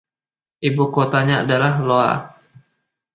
Ibukotanya adalah Loa.